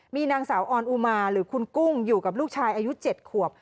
มีนางสาวออนอุมาหรือคุณกุ้งอยู่กับลูกชายอายุ๗ขวบ